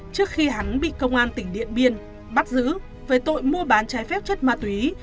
trước khi hắn bị công an tỉnh điện biên bắt giữ về tội mua bán trái phép chất ma túy